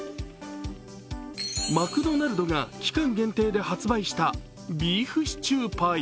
マクドナルドが期間限定で発売したビーフシチューパイ。